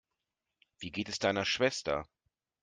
Wie geht es deiner Schwester?